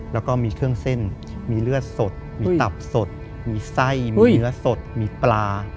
แล้วก็มีเครื่องเส้นมีเลือดสดมีตับสดมีไส้มีเนื้อสดมีปลา